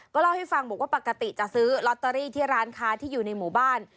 เล่าให้ฟังบอกว่าปกติจะซื้อลอตเตอรี่ที่ร้านค้าที่อยู่ในหมู่บ้าน